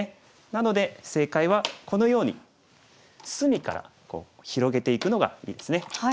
なので正解はこのように隅から広げていくのがいいですね。